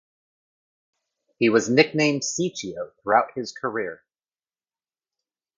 He was nicknamed "Ciccio" throughout his career.